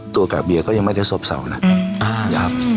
ตัวกากเบียร์ก็ยังไม่ได้สบสาวนะ